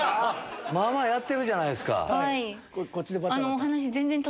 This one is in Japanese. まぁまぁやってるじゃないですか。